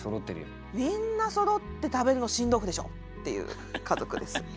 みんなそろって食べるの新豆腐でしょっていう家族です。